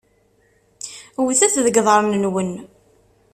Wtet deg iḍarren-nwen!